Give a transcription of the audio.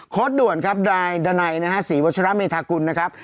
ด่วนครับนายดานัยนะฮะศรีวัชระเมธากุลนะครับ